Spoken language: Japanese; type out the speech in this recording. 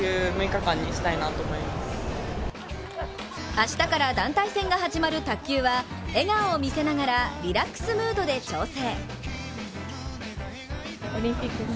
明日から団体戦が始まる卓球は笑顔を見せながらリラックスムードで調整。